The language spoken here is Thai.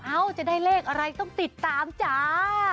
จะได้เลขอะไรต้องติดตามจ้า